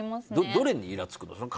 どれにイラつくの？